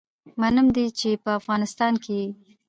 منم دی چې په افغانستان کي يي